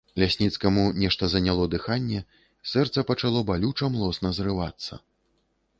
Лясніцкаму нешта заняло дыханне, сэрца пачало балюча млосна зрывацца.